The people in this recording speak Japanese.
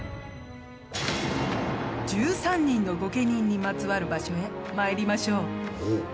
１３人の御家人にまつわる場所へ参りましょう。